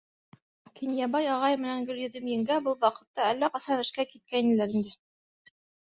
Кинйәбай ағай менән Гөлйөҙөм еңгә был ваҡытта әллә ҡасан эшкә киткәйнеләр инде.